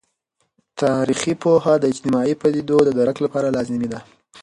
تاریخي پوهه د اجتماعي پدیدو د درک لپاره لازمي ده.